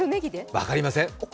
分かりません。